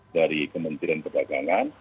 dari kementerian perdagangan